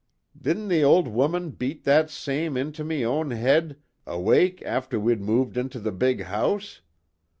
"Didn't the owld woman beat that same into me own head a wake afther we'd moved into the big house?